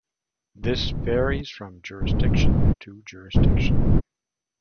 This varies from jurisdiction to jurisdiction.